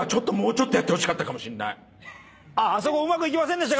あそこうまくいきませんでした？